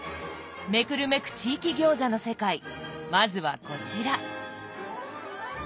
めくるめく地域餃子の世界まずはこちら。